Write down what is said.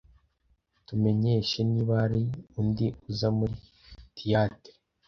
tumenyeshe niba hari undi uza muri theatre